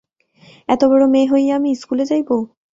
এতবড়ো মেয়ে হইয়া আমি ইস্কুলে যাইব?